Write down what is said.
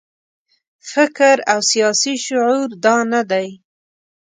فکر او سیاسي شعور دا نه دی.